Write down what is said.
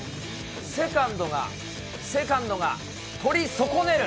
セカンドが、セカンドが、捕り損ねる。